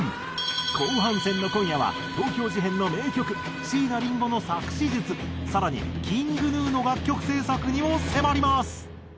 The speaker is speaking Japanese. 後半戦の今夜は東京事変の名曲椎名林檎の作詞術更にＫｉｎｇＧｎｕの楽曲制作にも迫ります。